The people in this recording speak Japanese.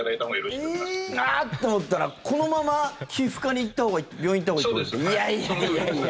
あっ！と思ったらこのまま皮膚科に行ったほうが病院に行ったほうがいいっていうことですか？